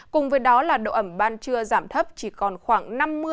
cùng với đó độ ẩm ban trưa giảm thấp chỉ còn khoảng năm mươi sáu mươi